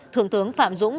thượng tướng phạm dũng